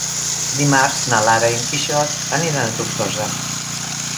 Dimarts na Lara i en Quixot aniran a Tortosa.